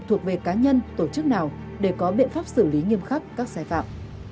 thuộc về cá nhân tổ chức nào để có biện pháp xử lý nghiêm khắc các sai phạm